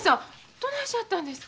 どないしはったんですか？